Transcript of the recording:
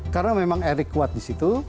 karena memang erik kuat disitu